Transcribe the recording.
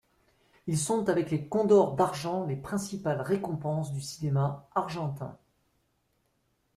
Ils sont avec les Condors d'argent les principales récompenses du cinéma argentin.